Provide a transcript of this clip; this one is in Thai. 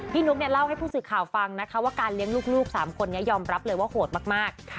นุ๊กเนี่ยเล่าให้ผู้สื่อข่าวฟังนะคะว่าการเลี้ยงลูก๓คนนี้ยอมรับเลยว่าโหดมาก